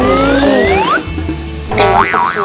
di mana tuh kesini